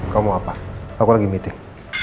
kamu mau apa aku lagi meeting